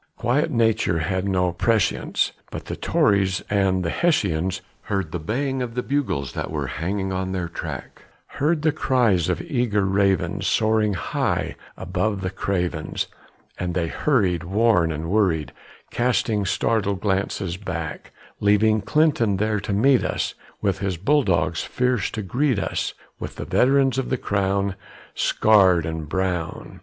Quiet nature had no prescience; but the Tories and the Hessians Heard the baying of the bugles that were hanging on their track; Heard the cries of eager ravens soaring high above the cravens; And they hurried, worn and worried, casting startled glances back, Leaving Clinton there to meet us, with his bull dogs fierce to greet us, With the veterans of the crown, scarred and brown.